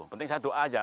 penting saya doa aja